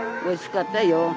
おいしかったよ。